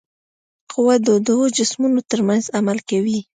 قوه د دوو جسمونو ترمنځ عمل کوي.